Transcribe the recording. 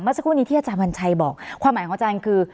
เมื่อสักวันนี้ที่อาจารย์บัญชัยบอกความหมายของอาจารย์คือ